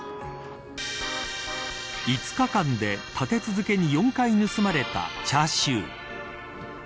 ５日間で立て続けに４回盗まれたチャーシュー。